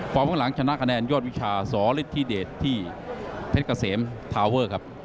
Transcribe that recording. ข้างหลังชนะคะแนนยอดวิชาสฤทธิเดชที่เพชรเกษมทาวเวอร์ครับ